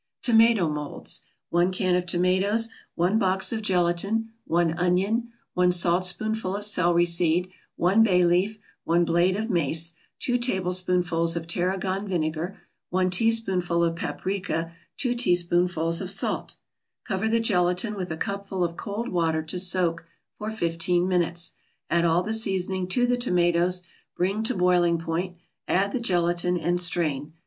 TOMATO MOLDS 1 can of tomatoes 1 box of gelatin 1 onion 1 saltspoonful of celery seed 1 bay leaf 1 blade of mace 2 tablespoonfuls of tarragon vinegar 1 teaspoonful of paprika 2 teaspoonfuls of salt Cover the gelatin with a cupful of cold water to soak for fifteen minutes. Add all the seasoning to the tomatoes, bring to boiling point, add the gelatin, and strain.